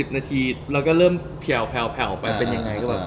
๑๐นาทีเราก็เริ่มแผ่วไปเป็นยังไง